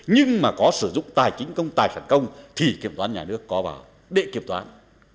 nhưng mà có sử dụng tài chính công tài sản công thì kiểm toán nhà nước có vào để kiểm toán